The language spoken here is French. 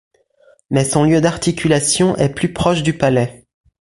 Mais son lieu d'articulation est plus proche du palais.